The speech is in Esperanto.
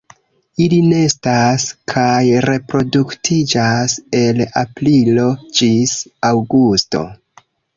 Ili nestas kaj reproduktiĝas el aprilo ĝis aŭgusto.